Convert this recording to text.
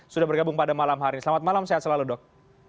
sudah bergabung pada malam hari ini selamat malam sehat selalu dok